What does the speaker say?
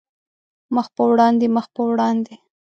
مخ په وړاندې، مخ په وړاندې